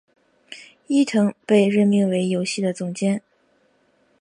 伊藤被任命为游戏的总监。